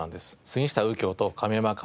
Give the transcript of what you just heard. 杉下右京と亀山薫